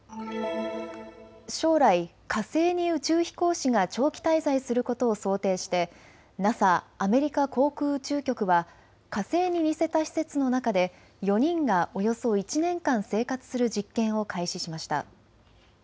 将来、火星に宇宙飛行士が長期滞在することを想定してＮＡＳＡ・アメリカ航空宇宙局は火星に似せた施設の中で４人がおよそ１年間生活する実験を開始しました。